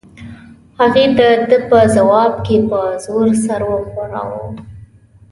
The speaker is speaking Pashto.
هغې د ده په ځواب کې په زور سر وښوراوه.